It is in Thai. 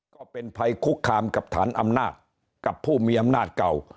ก็เป็นภัยคุกคามกับฐานอำนาจกับผู้มีอำนาจเก่า